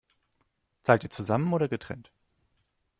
Zahlt ihr zusammen oder getrennt?